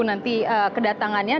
kita tunggu nanti kedatangannya